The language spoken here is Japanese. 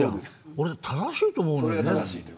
俺は正しいと思うのよね。